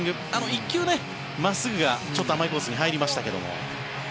１球、真っすぐがちょっと甘いコースに入りましたけども。